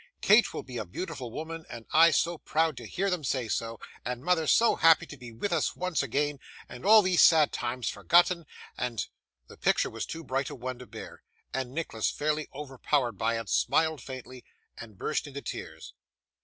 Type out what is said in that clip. Kate will be a beautiful woman, and I so proud to hear them say so, and mother so happy to be with us once again, and all these sad times forgotten, and ' The picture was too bright a one to bear, and Nicholas, fairly overpowered by it, smiled faintly, and burst into tears.